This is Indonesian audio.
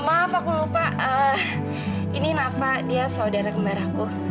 maaf aku lupa ini nafa dia saudara kembar aku